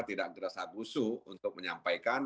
tidak geras agusu untuk menyampaikan